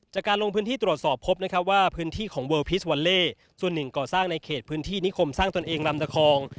จากการลงพื้นที่ตรวจสอบพบนะครับว่าพื้นที่ของเลิลพีสวัลเล่ส่วนหนึ่งก่อสร้างในเขตพื้นที่นิคมสร้างตนเองลำตะคอง